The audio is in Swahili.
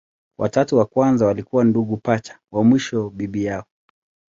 Watatu wa kwanza walikuwa ndugu pacha, wa mwisho bibi yao.